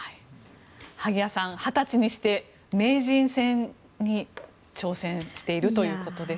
萩谷さん、２０歳にして名人戦に挑戦しているということです。